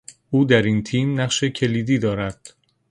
او در این تیم نقش کلیدی دارد.